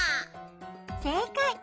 せいかい！